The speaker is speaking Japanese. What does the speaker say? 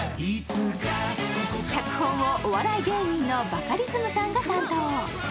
脚本をお笑い芸人のバカリズムさんが担当。